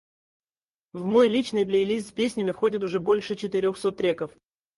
В мой личный плейлист с песнями входит уже больше четырёхсот треков.